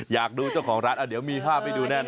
อยากดูเจ้าของร้านเดี๋ยวมีภาพให้ดูแน่นอ